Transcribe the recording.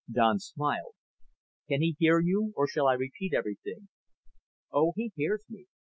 Don smiled. "Can he hear you or shall I repeat everything?" "Oh, he hears me.